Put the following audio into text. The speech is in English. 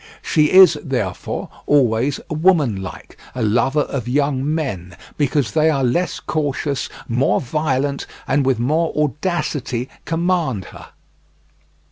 She is, therefore, always, woman like, a lover of young men, because they are less cautious, more violent, and with more audacity command her.